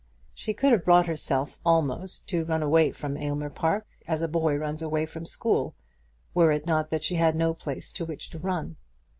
She could have brought herself almost to run away from Aylmer Park, as a boy runs away from school, were it not that she had no place to which to run.